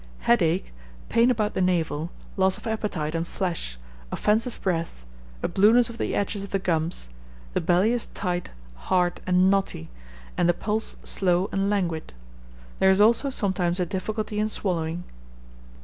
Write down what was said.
Headache, pain about the navel, loss of appetite and flesh, offensive breath, a blueness of the edges of the gums; the belly is tight, hard, and knotty, and the pulse slow and languid. There is also sometimes a difficulty in swallowing.